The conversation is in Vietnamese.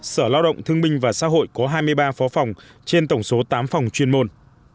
sở lao động thương minh và xã hội có hai mươi ba phó phòng trên tổng số tám phòng chuyên môn